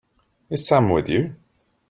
Is Sam with you?